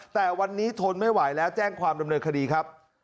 แต่วันนี้ทนไม่ไหวแล้วแจ้งความดำเนินคดีครับ